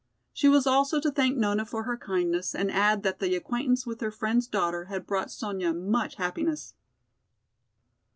She was also to thank Nona for her kindness and add that the acquaintance with her friend's daughter had brought Sonya much happiness.